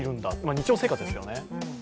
日常生活ですけどね。